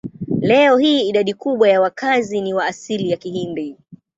Leo hii idadi kubwa ya wakazi ni wa asili ya Kihindi.